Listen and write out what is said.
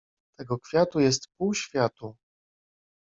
Tego kwiatu jest pół światu.